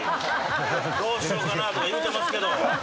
どうしようかなとか言うてますけど。